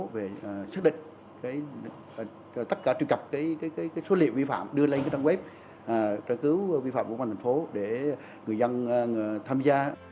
về xác định tất cả truy cập số liệu vi phạm đưa lên trang web trợ cứu vi phạm của công an thành phố để người dân tham gia